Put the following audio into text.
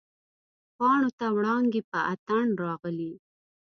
پاڼو ته وړانګې په اتڼ راغلي